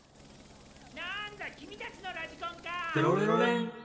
・何だ君たちのラジコンか。